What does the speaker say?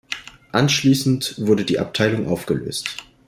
Anschließend wurde die Abteilung aufgelöst.